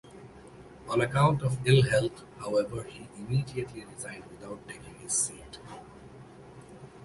On account of ill-health, however, he immediately resigned without taking his seat.